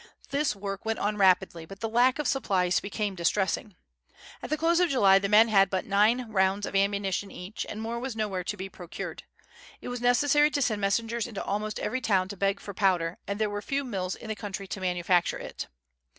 This work went on rapidly; but the lack of supplies became distressing. At the close of July the men had but nine rounds of ammunition each, and more was nowhere to be procured. It was necessary to send messengers into almost every town to beg for powder, and there were few mills in the country to manufacture it.